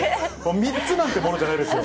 ３つなんてものじゃないですよ。